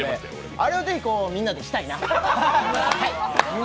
あれをぜひみんなでしたいなと。